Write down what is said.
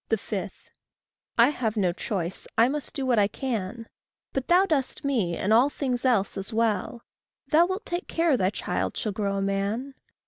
5. I have no choice, I must do what I can; But thou dost me, and all things else as well; Thou wilt take care thy child shall grow a man.